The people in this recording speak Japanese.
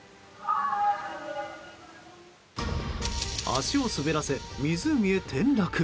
足を滑らせ、湖へ転落。